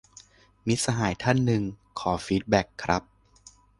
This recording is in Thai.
มิตรสหายท่านหนึ่ง : ขอฟีดแบ็กครับ